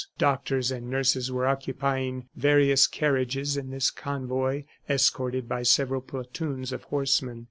Doctors and nurses were occupying various carriages in this convoy escorted by several platoons of horsemen.